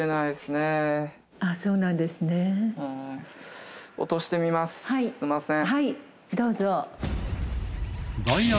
すみません。